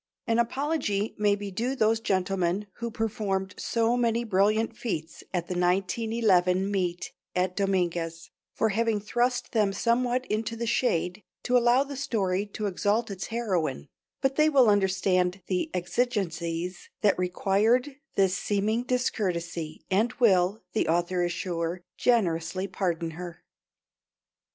An apology may be due those gentlemen who performed so many brilliant feats at the 1911 meet at Dominguez, for having thrust them somewhat into the shade to allow the story to exalt its heroine; but they will understand the exigencies that required this seeming discourtesy and will, the author is sure, generously pardon her.